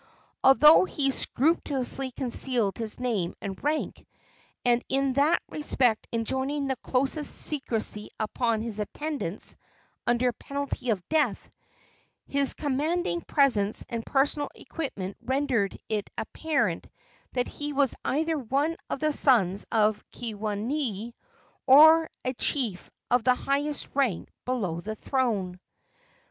Although he scrupulously concealed his name and rank, and in that respect enjoined the closest secrecy upon his attendants under penalty of death, his commanding presence and personal equipment rendered it apparent that he was either one of the sons of Keawenui or a chief of the highest rank below the throne.